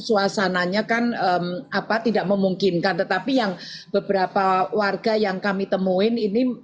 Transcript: suasananya kan tidak memungkinkan tetapi yang beberapa warga yang kami temuin ini